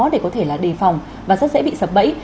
để có thể là đề phòng và rất dễ bị sập bẫy